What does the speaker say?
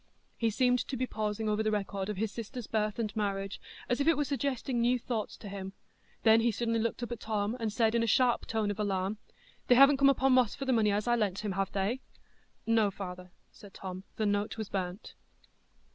He seemed to be pausing over the record of his sister's birth and marriage, as if it were suggesting new thoughts to him; then he suddenly looked up at Tom, and said, in a sharp tone of alarm: "They haven't come upo' Moss for the money as I lent him, have they?" "No, father," said Tom; "the note was burnt."